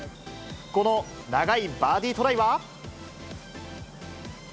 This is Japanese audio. この長いバーディートライは。